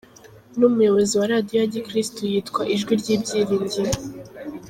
Ni umuyobozi wa Radio ya Gikiristu yitwa Ijwi ry’Ibyiringiro.